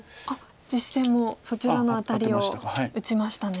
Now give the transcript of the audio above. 実戦もそちらのアタリを打ちましたね。